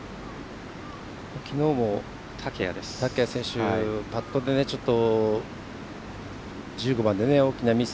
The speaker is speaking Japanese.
きのうも竹谷選手パットでちょっと１５番で大きなミス。